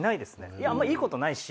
あんまいいことないし。